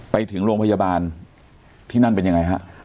ไปถึงโรงพยาบาลที่นั่นเป็นยังไงฮะ